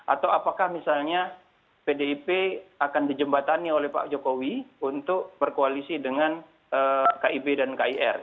atau apakah misalnya pdip akan dijembatani oleh pak jokowi untuk berkoalisi dengan kib dan kir